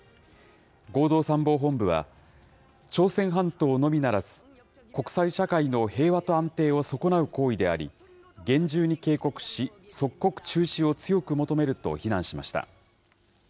合同参謀本部は、朝鮮半島のみならず、国際社会の平和と安定を損なう行為であり、厳重に警告し、即刻中止を強く求めると非難しました。